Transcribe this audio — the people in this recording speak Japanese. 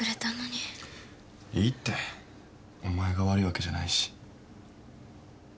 いいってお前が悪いわけじゃないし。